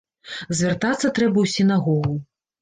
Звяртацца трэба ў сінагогу.